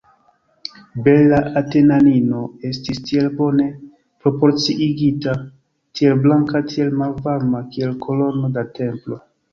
Bela Atenanino estis tiel bone proporciigita, tiel blanka, tiel malvarma, kiel kolono de templo.